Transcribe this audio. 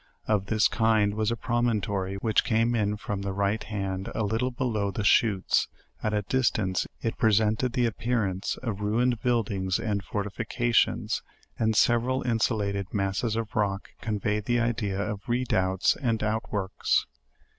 Of this kind was a promontory which came in from the right hand a little below the Chuttes; at a distance it presented the appearance of ruined buildings and fortifications, and several insulated masses of rock, conveyed the idea of re doubts and out works.